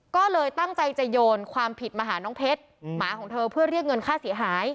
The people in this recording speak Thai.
ก็เลยตั้งใจจะโยนความผิดมาหาน้องเพชรหมาของเธอเพื่อเรียกเงินค่าเสียหาย